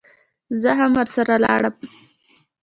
زه هم ورسره ولاړم.